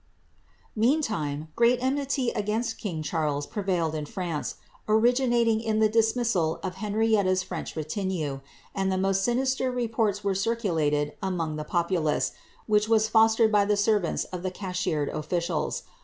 * 3ieaniime great enmity against king Charles prevailed in France, ori ginating in the dismissal of Henrietta's French retinue ; and the most minister reports were circulated among the populace, which were fos tered by the servants of the cashiered officials.